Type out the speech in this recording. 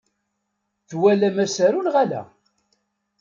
Twalam asaru neɣ ala?